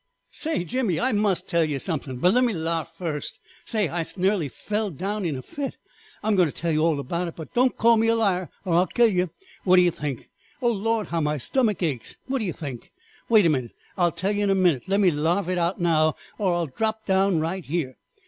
III. "Say, Jimmie, I must tell yer something, but let me larf first. Say, I nearly fell down in a fit. I am going to tell yer all about it, but don't call me a liar, or I'll kill yer. What do yer think? Oh, Lord, how my stomach aches! what do yer think? Wait a minute I'll tell yer in a minute, let me larf it out now, or I shall drop down right here!